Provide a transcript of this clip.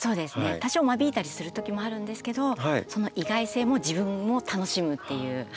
多少間引いたりするときもあるんですけどその意外性も自分も楽しむっていう。